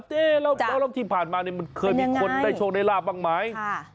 แล้วที่ผ่านมามันเคยมีคนได้โชคได้ลาบบ้างไหม